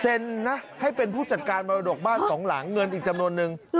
นะให้เป็นผู้จัดการมรดกบ้านสองหลังเงินอีกจำนวนนึง